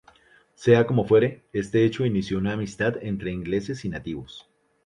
Sea como fuere, este hecho inició una amistad entre ingleses y nativos.